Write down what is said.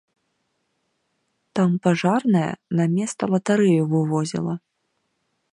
Там пажарная на места латарэю вывозіла.